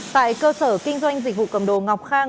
tại cơ sở kinh doanh dịch vụ cầm đồ ngọc khang